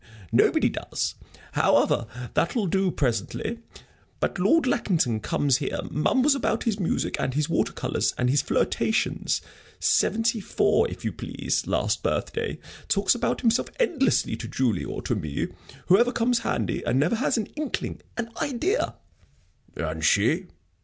Nobody does. However, that'll do presently. But Lord Lackington comes here, mumbles about his music and his water colors, and his flirtations seventy four, if you please, last birthday! talks about himself endlessly to Julie or to me whoever comes handy and never has an inkling, an idea." "And she?"